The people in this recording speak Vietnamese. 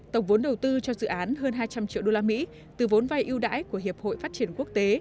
tổng vốn đầu tư cho dự án hơn hai trăm linh triệu usd từ vốn vay ưu đãi của hiệp hội phát triển quốc tế